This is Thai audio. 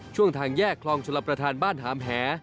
ทางแยกคลองชลประธานบ้านหามแห